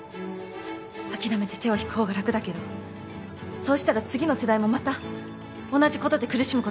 諦めて手を引く方が楽だけどそうしたら次の世代もまた同じことで苦しむことになる。